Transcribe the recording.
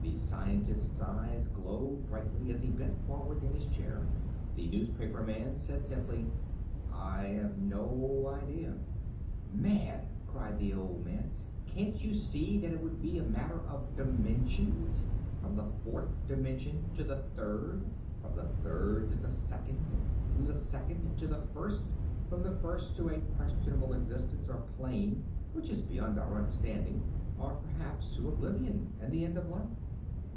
The scientist's eyes glowed brightly as he bent forward in his chair. The newspaperman said simply: "I have no idea." "Man," cried the old man, "can't you see that it would be a matter of dimensions? From the fourth dimension to the third, from the third to the second, from the second to the first, from the first to a questionable existence or plane which is beyond our understanding or perhaps to oblivion and the end of life.